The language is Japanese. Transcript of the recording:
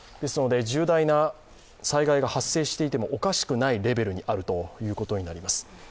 重大な災害が発生していてもおかしくないレベルにあるということになります。